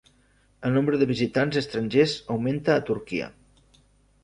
El nombre de visitants estrangers augmenta a Turquia